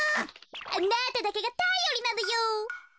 あなただけがたよりなのよ。